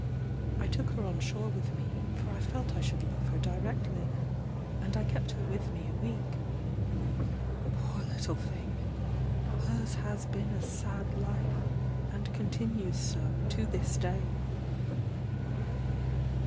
I took her on shore with me, for I felt I should love her directly; and I kept her with me a week. Poor little thing! her's has been a sad life, and continues so to this day.